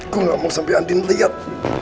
gue gak mau sampe andin liat